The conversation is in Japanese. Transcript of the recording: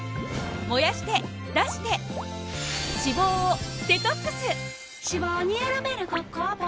燃やして出して脂肪をデトックス！